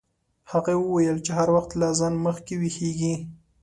هغې وویل چې هر وخت له اذان مخکې ویښیږي.